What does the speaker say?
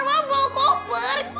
ma mau koper